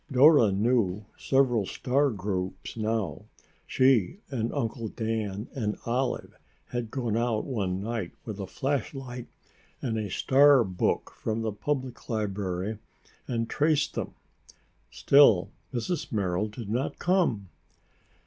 Dora knew several star groups now. She and Uncle Dan and Olive had gone out one night with a flash light and the star book from the Public Library and traced them. Still, Mrs. Merrill did not come.